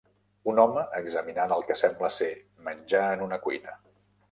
Un home examinant el que sembla ser menjar en una cuina.